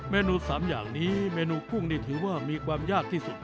เมนู๓อย่างนี้เมนูกุ้งนี่ถือว่ามีความยากที่สุด